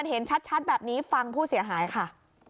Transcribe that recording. เห็นชัดแบบนี้ฟังผู้เสียหายค่ะ